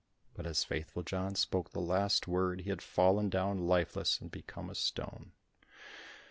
But as Faithful John spoke the last word he had fallen down lifeless and become a stone.